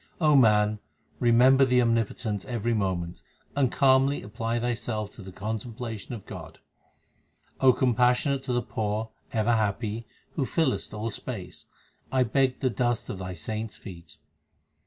O man, remember the Omnipotent every moment, and calmly apply thyself to the contemplation of God. O compassionate to the poor, ever happy, who fillest all space, I beg the dust of Thy saints feet.